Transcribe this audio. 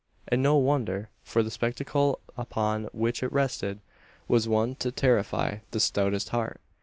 And no wonder: for the spectacle upon which it rested was one to terrify the stoutest heart.